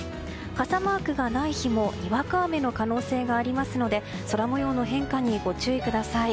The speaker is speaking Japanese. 傘マークがない日もにわか雨の可能性がありますので空模様の変化にご注意ください。